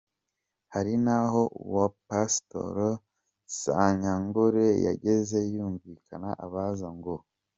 Hari n’aho uwo pasitoro Sanyangore yageze yumvikana abaza ngo:.